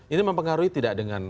ini mempengaruhi tidak dengan